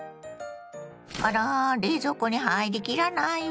あら冷蔵庫に入り切らないわ。